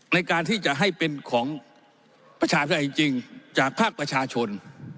ในการที่จะให้เป็นของประชาธิปไตยจริงจากภาคประชาชน